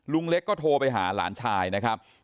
ลุงเล็กก็โทรไปหาหลานชายนะครับ